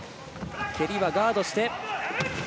蹴りはガードして。